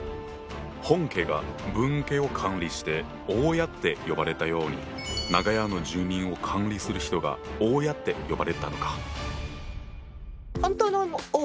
本家が分家を管理して「大家」って呼ばれたように長屋の住人を管理する人が「大家」って呼ばれたのか。